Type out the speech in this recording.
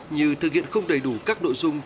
như thực hiện không đầy đủ các nội dung